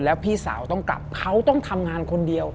แล้วพี่สาวต้องกลับเขาต้องทำงานคนเดียว